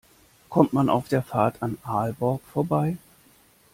Kommt man auf der Fahrt an Aalborg vorbei?